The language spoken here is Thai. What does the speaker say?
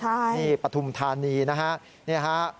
ใช่นี่ปฐุมธานีนะครับนี่ครับ